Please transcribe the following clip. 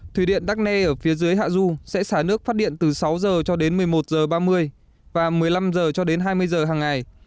thủy điện đắc nê ở phía dưới hạ du sẽ xả nước phát điện từ sáu h cho đến một mươi một h ba mươi và một mươi năm h cho đến hai mươi h hàng ngày